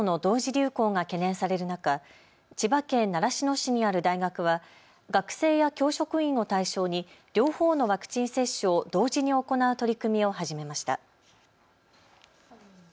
流行が懸念される中、千葉県習志野市にある大学は学生や教職員を対象に両方のワクチン接種を同時に行う取り組みを始めました。